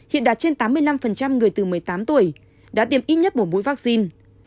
hiện đạt trên tám mươi năm người từ một mươi tám tuổi đã tiêm ít nhất một mũi vaccine